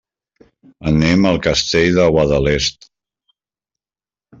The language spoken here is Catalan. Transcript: Anem al Castell de Guadalest.